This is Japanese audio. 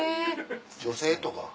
女性とか？